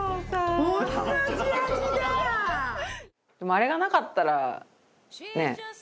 あれがなかったらね